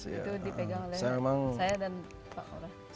itu dipegang oleh saya dan pak kora